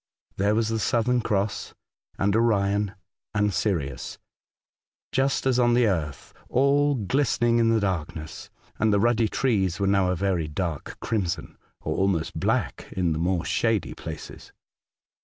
There was the Southern Cross and Orion and Sirius, just as on the earth, all glistening in the darkness, and the ruddy trees were now a very dark crimson, or almost black in the more shady places.